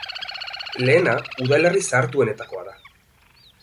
Lehena, udalerri zahartuenetakoa da.